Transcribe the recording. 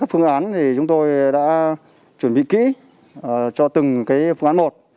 các phương án thì chúng tôi đã chuẩn bị kỹ cho từng cái phương án một